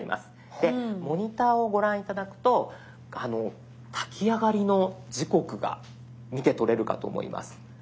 でモニターをご覧頂くと炊き上がりの時刻が見て取れるかと思います。